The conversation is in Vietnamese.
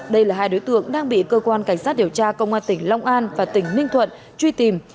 đây là hai đối tượng đang bị cơ quan cảnh sát điều tra công an tỉnh long an và tỉnh ninh thuận truy tìm